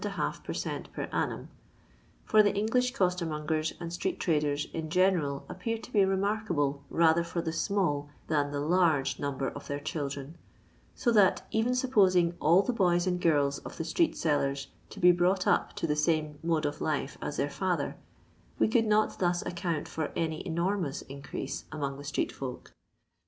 14 percent per annum; for the English coster mongers and street traders in general appear to be remarkable rather for the small than the large number of their children, so that, even supposing all the boys and girls of the street sellers to be brought up to the same mode of life as their Esther, we could not thus aecount for any mot nunu increase among the street folk.